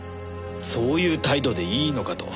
そういう態度でいいのかと。